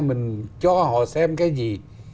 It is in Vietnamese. mình cho họ xem cái gì